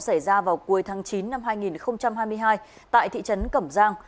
xảy ra vào cuối tháng chín năm hai nghìn hai mươi hai tại thị trấn cẩm giang